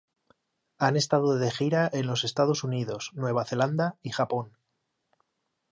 Han estado de gira en los Estados Unidos, Nueva Zelanda y Japón.